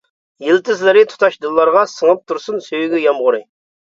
يىلتىزلىرى تۇتاش دىللارغا، سىڭىپ تۇرسۇن سۆيگۈ يامغۇرى.